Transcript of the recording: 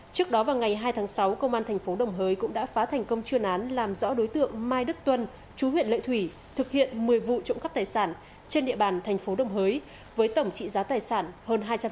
trước đó vào ngày hai tháng sáu công an tp đồng hới cũng đã phá thành công chuyên án làm rõ đối tượng mai đức tuân chú huyện lệ thủy thực hiện một mươi vụ trộm cắp tài sản trên địa bàn tp đồng hới với tổng trị giá tài sản hơn hai trăm linh triệu đồng thu giữ một ipad chín điện thoại di động và các tăng vật trong vụ trộm